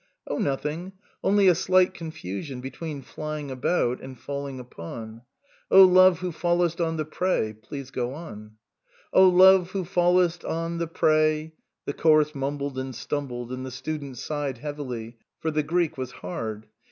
" Oh nothing ; only a slight confusion be tween flying about and falling upon. ' Oh Love who fallest on the prey '; please go on." "Oh Love who fallest on the prey." The chorus mumbled and stumbled, and the student sighed heavily, for the Greek was hard.